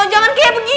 jangan kayak begini